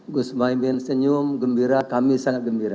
gus mohaimin senyum gembira kami sangat gembira